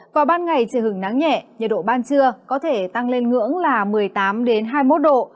còn ban ngày trời hứng nắng nhẹ nhiệt độ ban trưa có thể tăng lên ngưỡng là một mươi tám hai mươi một độ